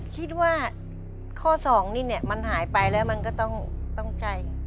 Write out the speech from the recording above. คิดว่าข้อ๒นี่มันหายไปแล้วมันก็ต้องใจ